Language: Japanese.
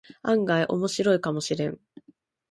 案外オモシロイかもしれん